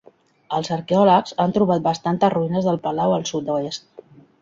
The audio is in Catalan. Els arqueòlegs han trobat bastantes ruïnes del palau al sud-oest.